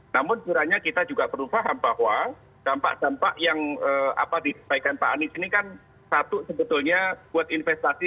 namun kiranya kita juga perlu paham bahwa dampak dampak yang disampaikan pak anies ini kan satu sebetulnya buat investasi